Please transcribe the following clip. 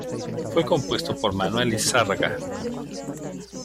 Fue compuesto por Manuel Lizárraga.